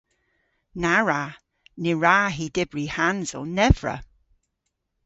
Na wra. Ny wra hi dybri hansel nevra.